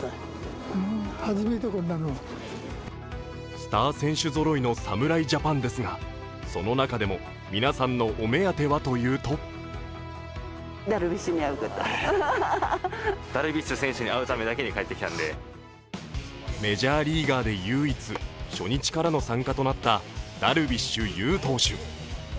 スター選手ぞろいの侍ジャパンですがその中でも皆さんのお目当てはというとメジャーリーガーで唯一初日からの参加となったダルビッシュ有投手。